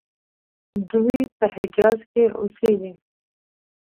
دوی په حجاز کې اوسیږي.